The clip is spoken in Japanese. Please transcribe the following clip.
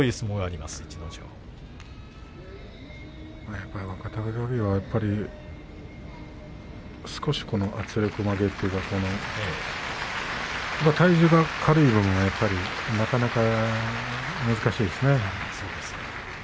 やっぱり若隆景は少し圧力負けというか体重が軽いぶんなかなか難しいですね。